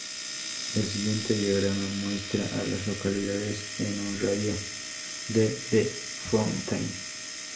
El siguiente diagrama muestra a las localidades en un radio de de Fountain.